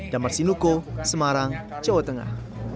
damar sinuko semarang jawa tengah